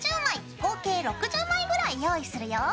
合計６０枚ぐらい用意するよ。